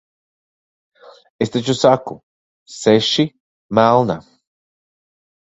Es taču saku - seši, melna.